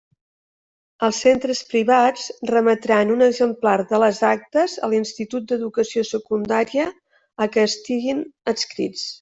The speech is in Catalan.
Els centres privats remetran un exemplar de les actes a l'institut d'Educació Secundària a què estiguen adscrits.